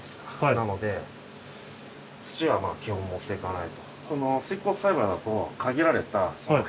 なので土は基本持っていかない。